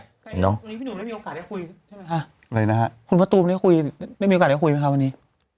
วันนี้พี่หนุ่มได้มีโอกาสได้คุยใช่ไหมคะอะไรนะฮะคุณมะตูมได้คุยได้มีโอกาสได้คุยไหมคะวันนี้